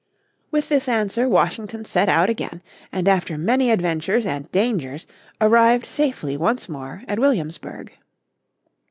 With this answer Washington set out again, and after many adventures and dangers arrived safely once more at Williamsburg.